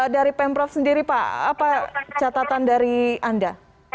dari pemprov sendiri pak apa catatan dari anda